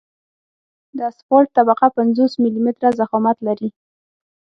د اسفالټ طبقه پنځوس ملي متره ضخامت لري